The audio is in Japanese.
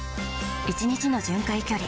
１日の巡回距離